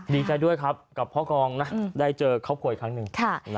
ดีใจด้วยครับกับพ่อกองนะได้เจอครอบครัวอีกครั้งหนึ่ง